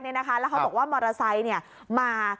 แล้วเขาบอกว่ามอเตอร์ไซค์มา